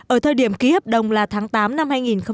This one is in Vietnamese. ở thời điểm ký hợp đồng là tháng tám năm hai nghìn tám